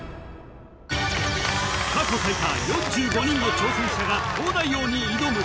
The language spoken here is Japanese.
過去最多４５人の挑戦者が東大王に挑む